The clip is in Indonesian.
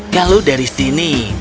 kalau dari sini